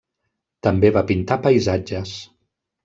També va pintar paisatges.